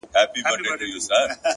هره تجربه د پوهې نوی رنګ لري,